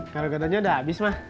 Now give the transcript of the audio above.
karagatanya udah abis ma